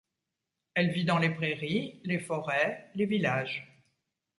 Elle vit dans les prairies, les forêts, les villages.